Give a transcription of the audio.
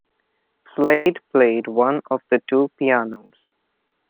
Slade played one of the two pianos.